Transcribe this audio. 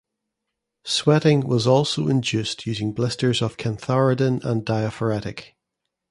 Sweating was also induced using blisters of cantharidin and diaphoretic.